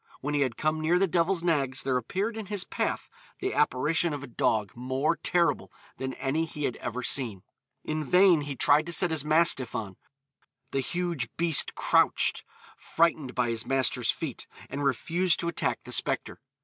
When he had come near the Devil's Nags there appeared in his path the apparition of a dog more terrible than any he had ever seen. In vain he tried to set his mastiff on; the huge beast crouched frightened by his master's feet and refused to attack the spectre.